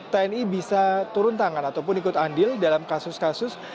tni bisa turun tangan ataupun ikut andil dalam kasus kasus